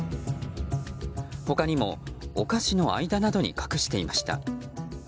他にもお菓子の間などに隠していました。